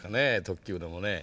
特急でもね。